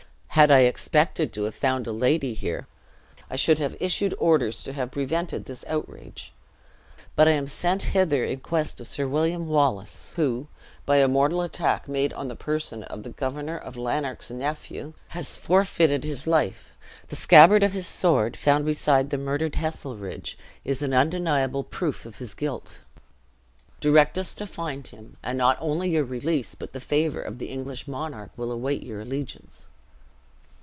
Had I expected to have found a lady here, I should have issued orders to have prevented this outrage; but I am sent hither in quest of Sir William Wallace, who, by a mortal attack made on the person of the Governor of Lanark's nephew, has forfeited his life. The scabbard of his sword, found beside the murdered Heselrigge, is an undeniable proof of his guilt. Direct us to find him, and not only your release, but the favor of the English monarch will await your allegiance."